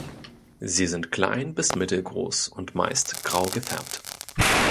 Sie sind klein bis mittelgroß und meist grau gefärbt.